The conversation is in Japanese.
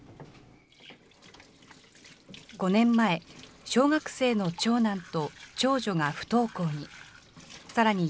５年前、小学生の長男と長女が不登校に。